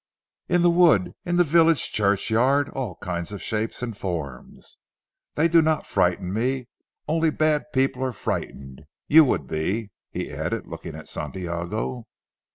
"In this wood, in the village churchyard; all kinds of shapes and forms. They do not frighten me. Only bad people are frightened. You would be," he added looking at Santiago.